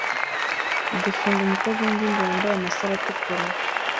Gufunga umukobwa wingimbi wambaye amasaro atukura